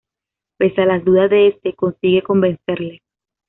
Pese a las dudas de este, consigue convencerle.